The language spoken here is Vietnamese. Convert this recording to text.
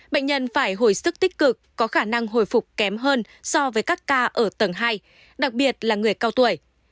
bệnh nhân phải hồi sức tích cực có khả năng hồi phục kém hơn so với các ca ở tầng hai đặc biệt là người cao tuổi